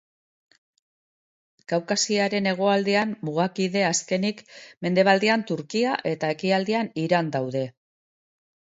Kaukasiaren hegoaldean mugakide, azkenik, mendebaldean Turkia eta ekialdean Iran daude.